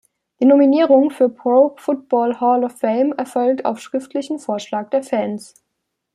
Die Nominierung für Pro Football Hall of Fame erfolgt auf schriftlichen Vorschlag der Fans.